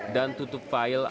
dan tutup vaksinnya